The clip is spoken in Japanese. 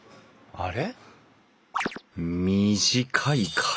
あれ。